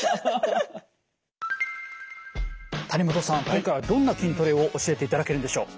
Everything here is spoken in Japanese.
今回はどんな筋トレを教えていただけるんでしょう？